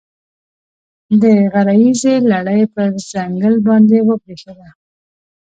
د غره ییزې لړۍ پر ځنګل باندې وبرېښېده.